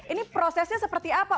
ini prosesnya seperti apa